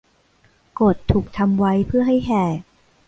กฎถูกทำไว้เพื่อให้แหก